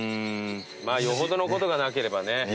まぁよほどのことがなければね。